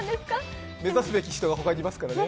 目指すべき人がほかにいますからね。